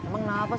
bentar ya pak